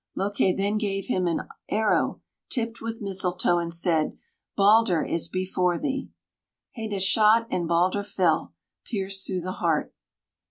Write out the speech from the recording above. Loake then gave him an arrow tipped with mistletoe and said: "Balder is before thee." Heda shot and Balder fell, pierced through the heart.